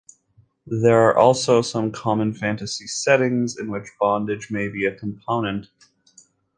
There are also some common fantasy settings in which bondage may be a component.